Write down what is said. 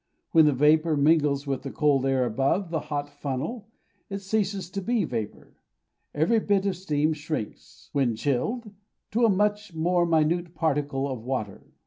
When the vapour mingles with the cold air above the hot funnel, it ceases to be vapour. Every bit of steam shrinks, when chilled, to a much more minute particle of water.